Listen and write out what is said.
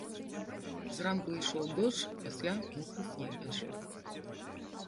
Зранку ішоў дождж, пасля мокры снег пайшоў.